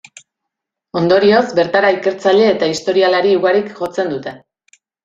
Ondorioz, bertara ikertzaile eta historialari ugarik jotzen dute.